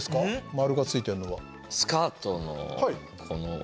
丸がついているのは。